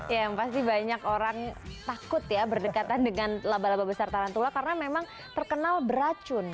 ya yang pasti banyak orang takut ya berdekatan dengan laba laba besar tarantula karena memang terkenal beracun